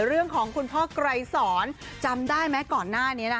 เรื่องของคุณพ่อไกรสรจำได้ไหมก่อนหน้านี้นะ